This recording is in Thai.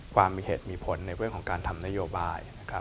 ความมีเหตุมีผลในเวทอย่างการทำนโยบาย